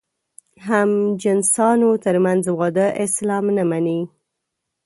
همجنسانو تر منځ واده اسلام نه مني.